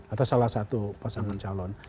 atau salah satu pasangan calon